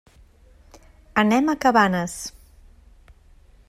Anem a Cabanes.